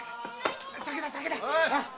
酒だ酒だ！